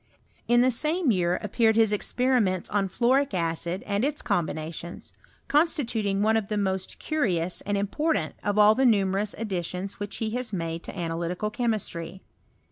In the same year appeared his experiments on fluoric acid and its combinations, constituting one of the most curious and important of all the numerous ad ditions which he has made to analytical chemistry.